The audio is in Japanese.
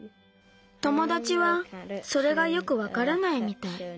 ともだちはそれがよくわからないみたい。